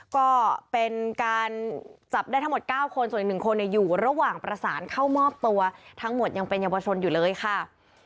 ก็เป็นการจับได้ทั้งหมด๙คนส่วนอีก๑คนอยู่ระหว่างประสานเข้ามอบตัวทั้งหมดยังเป็นเยาวชนอยู่เลยค่ะ